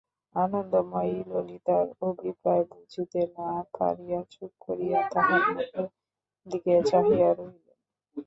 আনন্দময়ী ললিতার অভিপ্রায় বুঝিতে না পারিয়া চুপ করিয়া তাহার মুখের দিকে চাহিয়া রহিলেন।